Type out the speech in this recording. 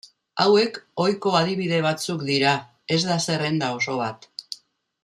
Hauek ohiko adibide batzuk dira, ez da zerrenda oso bat.